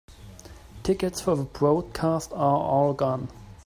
Tickets for the broadcast are all gone.